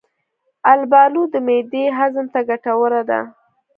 البالو د معدې هضم ته ګټوره ده.